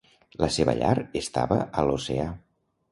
La seva llar estava a l'oceà.